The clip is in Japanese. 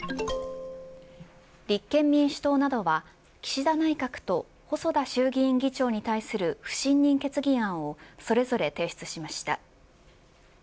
立憲民主党などは岸田内閣と細田衆議院議長に対する不信任決議案をそれぞれ提出しました。